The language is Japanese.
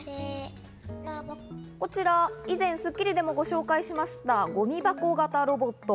こちら、以前『スッキリ』でもご紹介しました、ゴミ箱型ロボット。